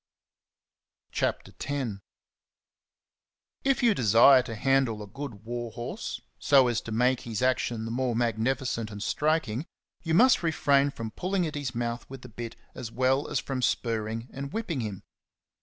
s^ CHAPTER X. I F you desire to handle a good war horse so as to make his action the more mag nificent and striking, you must refrain from pulHng at his mouth with the bit as well as from spurring and whipping him.